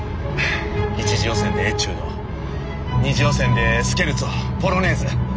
１次予選でエチュード２次予選でスケルツォポロネーズ。